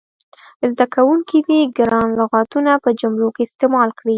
زده کوونکي دې ګران لغتونه په جملو کې استعمال کړي.